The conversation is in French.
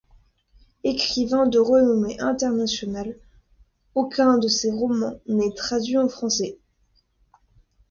Écrivain de renommée internationale, aucun de ses romans n'est traduit en français.